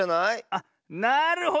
あっなるほど。